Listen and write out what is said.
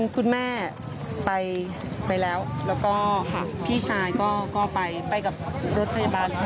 คุณแม่ไปแล้วพี่ชายไปกับรถโทยบาล